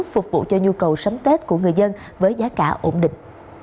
phục vụ cho nhu cầu sắm tết của người dân với giá cả ổn định